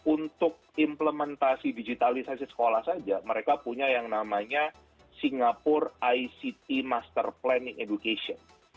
untuk implementasi digitalisasi sekolah saja mereka punya yang namanya singapore ict master planning education